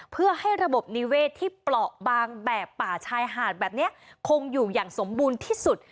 เพื่อให้ระบบนิเวศที่เปราะบางแบบป่าชายหาดแบบนี้คงอยู่อย่างสมบูรณ์ที่สุด